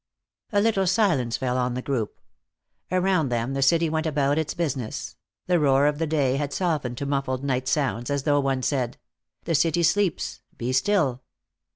A little silence fell on the group. Around them the city went about its business; the roar of the day had softened to muffled night sounds, as though one said: "The city sleeps. Be still."